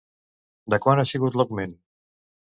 De quant ha sigut l'augment?